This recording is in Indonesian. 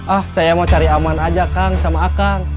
ah saya mau cari aman aja kang sama akang